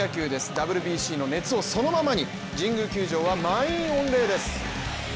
ＷＢＣの熱をそのままに神宮球場は満員御礼です。